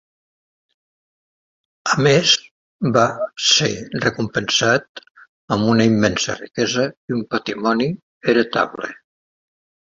A més, va ser recompensat amb una immensa riquesa i un patrimoni heretable.